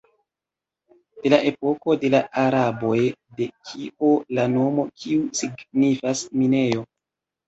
De la epoko de la araboj, de kio la nomo kiu signifas "minejo".